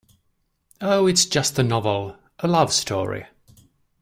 Oh, it's just a novel, a love story.